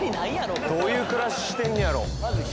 ここどういう暮らししてんねやろ？